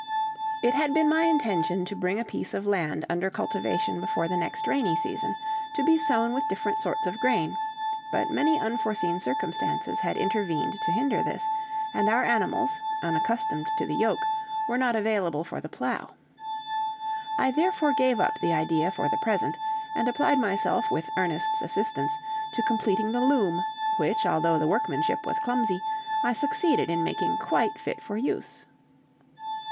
It had been my intention to bring a piece of land under cultivation before the next rainy season, to be sown with different sorts of grain; but many unforeseen circumstances had intervened to hinder this, and our animals, unaccustomed to the yoke, were not available for the plow. I therefore gave up the idea for the present, and applied myself, with Ernest's assistance, to completing the loom, which, although the workmanship was clumsy, I succeeded in making quite fit for use.